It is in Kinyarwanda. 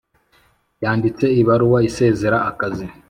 Yanditse ibaruwa isezera akazi